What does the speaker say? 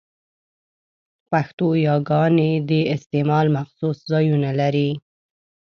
پښتو يګاني د استعمال مخصوص ځایونه لري؛